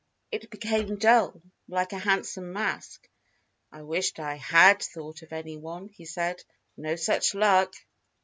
It became dull, like a handsome mask. "I wish I had thought of any one," he said. "No such luck."